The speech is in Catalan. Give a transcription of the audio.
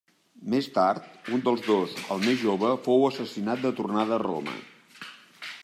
Més tard, un dels dos, el més jove, fou assassinat de tornada a Roma.